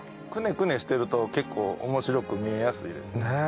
くねくねしてると結構面白く見えやすいですね。